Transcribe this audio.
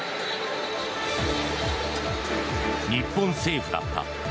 日本政府だった。